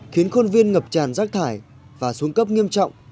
khiến khuôn viên ngập tràn rác thải và xuống cấp nghiêm trọng